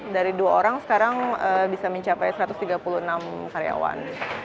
dari dua orang sekarang bisa mencapai satu ratus tiga puluh enam karyawan